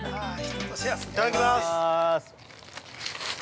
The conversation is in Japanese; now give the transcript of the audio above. ◆いただきまーす！